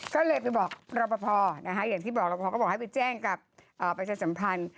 ก็เลยไปบอกรอปภนะคะอย่างที่บอกรอพอก็บอกให้ไปแจ้งกับประชาสัมพันธ์